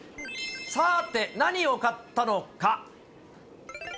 さあて、何を買ったのか？